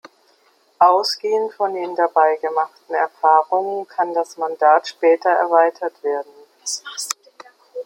Ausgehend von den dabei gemachten Erfahrungen kann das Mandat später erweitert werden.